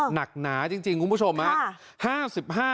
หนักหนาจริงจริงคุณผู้ชมอ่ะค่ะ